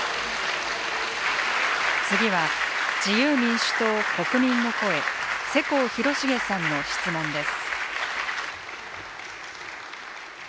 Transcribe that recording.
次は、自由民主党・国民の声、世耕弘成さんの質問です。